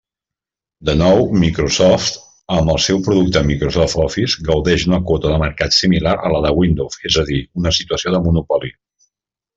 De nou, Microsoft, amb el seu producte Microsoft Office, gaudeix d'una quota de mercat similar a la de Windows, és a dir, una situació de monopoli.